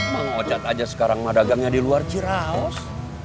bang ocat aja sekarang madagangnya di luar ciraos